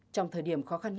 trong thời điểm khó khăn